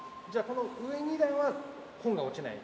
この上２段は本が落ちない？